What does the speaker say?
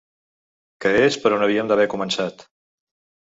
Que és per on havíem d'haver començat.